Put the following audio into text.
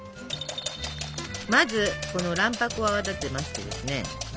まずこの卵白を泡立てましてですねで